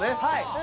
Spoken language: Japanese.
はい。